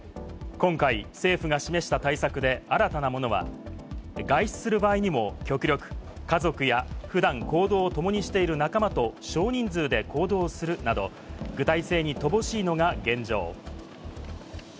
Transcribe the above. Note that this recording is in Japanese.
今回、政府が示した対策で新たなものは、外出する場合にも、極力、家族やふだん行動を共にしている仲間と少人数で行動するなど、具体性に乏しいのが現状。